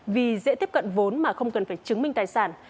vì dễ tiếp cận vốn mà không cần phải chứng minh tài sản